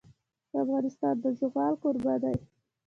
افغانستان د زغال کوربه دی.